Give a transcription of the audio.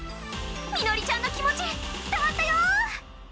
ミノリちゃんの気持ち伝わったよ！